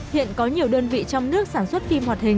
hiện có nhiều đơn vị trong nước sản xuất phim